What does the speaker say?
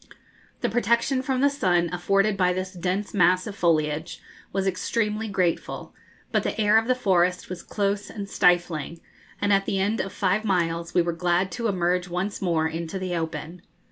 The protection from the sun afforded by this dense mass of foliage was extremely grateful; but the air of the forest was close and stifling, and at the end of five miles we were glad to emerge once more into the open.